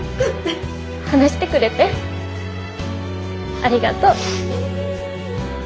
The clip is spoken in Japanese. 話してくれてありがとう。